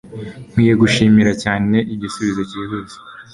Nkwiye gushimira cyane igisubizo cyihuse.